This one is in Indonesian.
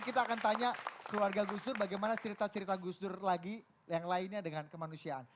kita akan tanya keluarga gus dur bagaimana cerita cerita gus dur lagi yang lainnya dengan kemanusiaan